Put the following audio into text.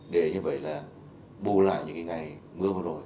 để như vậy là bù lại những cái ngày mưa mưa nổi